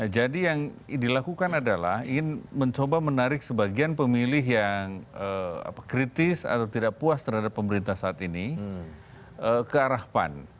jadi yang dilakukan adalah ingin mencoba menarik sebagian pemilih yang kritis atau tidak puas terhadap pemerintah saat ini ke arah pan